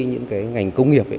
những cái ngành công nghiệp